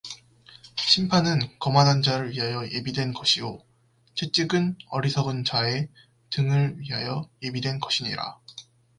심판은 거만한 자를 위하여 예비된 것이요 채찍은 어리석은 자의 등을 위하여 예비된 것이니라